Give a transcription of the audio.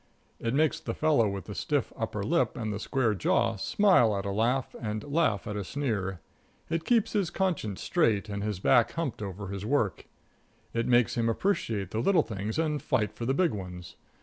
It makes the fellow with the stiff upper lip and the square jaw smile at a laugh and laugh at a sneer; it keeps his conscience straight and his back humped over his work; it makes him appreciate the little things and fight for the big ones.